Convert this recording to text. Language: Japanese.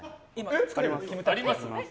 あります。